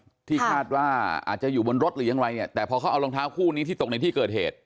ที่คาดว่าอาจจะอยู่บนรถหรือยังไรเนี่ยแต่พอเขาเอารองเท้าคู่นี้ที่ตกในที่เกิดเหตุ